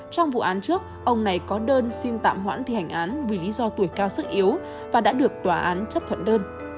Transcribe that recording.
trong vụ án trước ông này có đơn xin tạm hoãn thi hành án vì lý do tuổi cao sức yếu và đã được tòa án chấp thuận đơn